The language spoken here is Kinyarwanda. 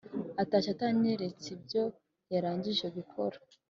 Atashye atanyeretse ibyo yarangije gukora